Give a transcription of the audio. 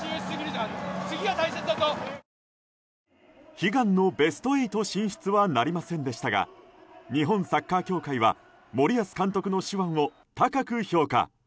悲願のベスト８進出はなりませんでしたが日本サッカー協会は森保監督の手腕を高く評価。